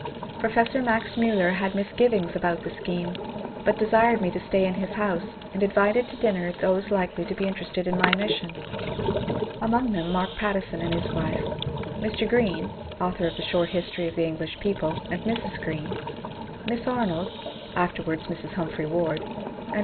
Professor Max Miiller had misgivings about the scheme, but desired me to stay in his house, and invited to dinner those likely to be interested in my mission, — among them Mark Pattison and his wife, Mr. Grreen (author of the " Short History of the English People ") and Mrs. Grreen, Miss Arnold (afterwards Mrs. Humphry Ward), and Bev.